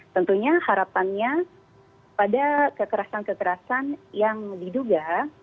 tentunya harapannya pada kekerasan kekerasan yang diduga